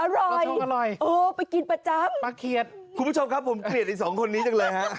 อร่อยลอดช่องอร่อยป้าเขียดคุณผู้ชมครับผมเขียดอีก๒คนนี้จังเลย